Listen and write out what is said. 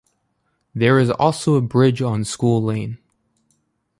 There is also a bridge on School Lane.